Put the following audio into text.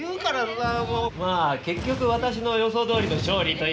まあ結局私の予想どおりの勝利と言いますか。